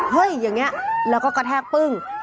อย่างนี้แล้วก็กระแทกปึ้ง